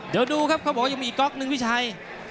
เดี๋ยวดูครับเขาบอกว่ายังมีอีกก๊อกหนึ่งพี่ชัย